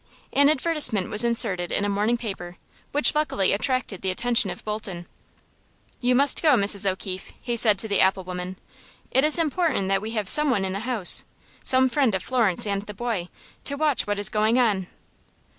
An advertisement was inserted in a morning paper, which luckily attracted the attention of Bolton. "You must go, Mrs. O'Keefe," he said to the apple woman. "It is important that we have some one in the house some friend of Florence and the boy to watch what is going on."